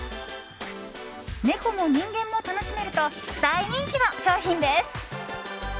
猫も人間も楽しめると大人気の商品です。